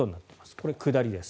これ、下りです。